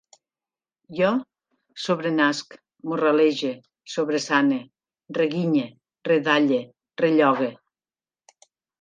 Jo sobrenasc, morralege, sobresane, reguinye, redalle, rellogue